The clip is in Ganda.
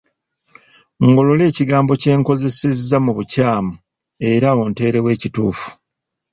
Ngolola ekigambo kye nkozesezza mu bukyamu era onteerewo ekituufu.